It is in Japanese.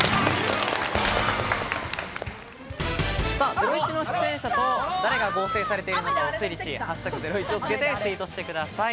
『ゼロイチ』の出演者と誰が合成されているのかを推理し、「＃ゼロイチ」をつけてツイートしてください。